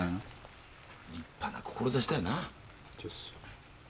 立派な志だよな。